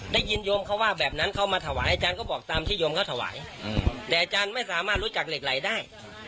ได้ยินโยมเขาว่าแบบนั้นเขามาถวายอาจารย์ก็บอกตามที่โยมเขาถวายแต่อาจารย์ไม่สามารถรู้จักเหล็กไหลได้